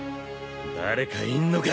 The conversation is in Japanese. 誰かいんのか！